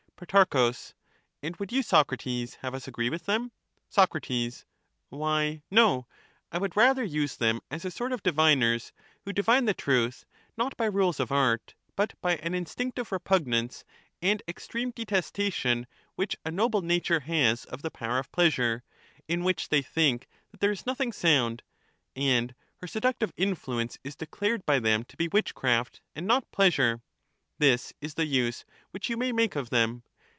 ^Ihysi^i Pro. And would you, Socrates, have us agree with them ? phUoso Soc. Why, no, I would rather use them as a sort of ^J^^^° diviners, who divine the truth, not by rules of art, but by pleasure to an instinctive repugnance^ and extreme detestation which a bfon^ythe ,,/^■ r^y ,.•., I absence of noble nature has of the power of pleasure, m which they pain, think that there is nothing sound, and her seductive in fluence is declared by them to be witchcraft, and not pleasure. This is the use which you may make of them.